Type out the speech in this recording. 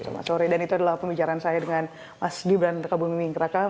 selamat sore dan itu adalah pembicaraan saya dengan mas gibran rekabun miming keraka